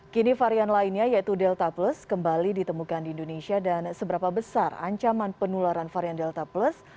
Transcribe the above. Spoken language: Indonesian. kini varian lainnya yaitu delta plus kembali ditemukan di indonesia dan seberapa besar ancaman penularan varian delta plus